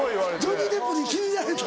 ジョニー・デップに気に入られた。